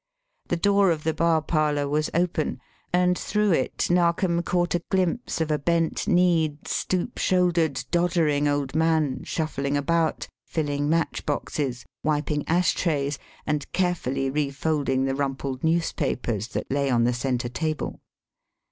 The door of the bar parlour was open, and through it Narkom caught a glimpse of a bent kneed, stoop shouldered, doddering old man shuffling about, filling match boxes, wiping ash trays, and carefully refolding the rumpled newspapers that lay on the centre table.